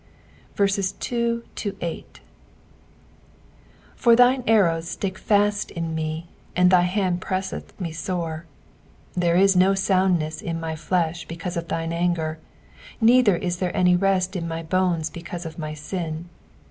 2 For thine arrows stick fast in me, and thy hand presseth me sore, 3 There is no soundness in my flesh because of thine anger ; neither is there any rest in my bones because of my sin.